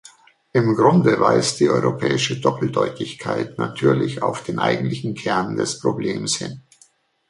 Im Grunde weist die europäische Doppeldeutigkeit natürlich auf den eigentlichen Kern des Problems hin.